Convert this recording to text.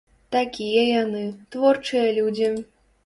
Такія яны, творчыя людзі.